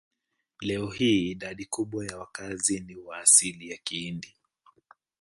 Leo hii idadi kubwa ya wakazi ni wa asili ya Kihindi.